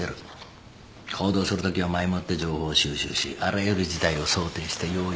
行動するときは前もって情報を収集しあらゆる事態を想定して用意